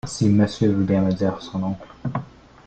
Si monsieur veut bien me dire son nom.